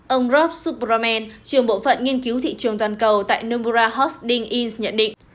ông rob superman trường bộ phận nghiên cứu thị trường toàn cầu tại nomura hosting inc nhận định